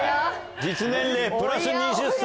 実年齢プラス２０歳。